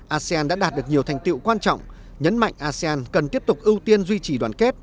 asean đã đạt được nhiều thành tiệu quan trọng nhấn mạnh asean cần tiếp tục ưu tiên duy trì đoàn kết